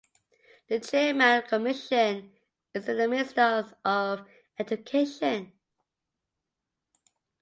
The chairman of the commission is the Minister of Education.